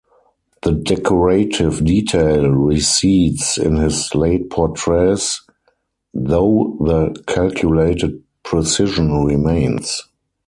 The decorative detail recedes in his late portraits, though the calculated precision remains.